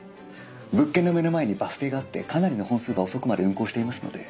物件の目の前にバス停があってかなりの本数が遅くまで運行していますので。